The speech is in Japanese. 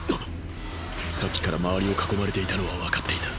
さっきから周りを囲まれていたのはわかっていた。